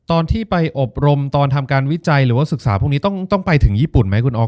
ตอนที่ไปอบรมตอนทำการวิจัยหรือว่าศึกษาพวกนี้ต้องไปถึงญี่ปุ่นไหมคุณออฟ